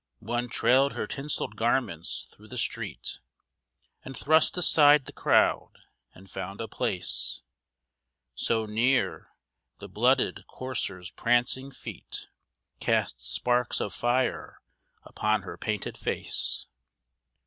One trailed her tinselled garments through the street, And thrust aside the crowd, and found a place So near, the blooded courser's prancing feet Cast sparks of fire upon her painted face.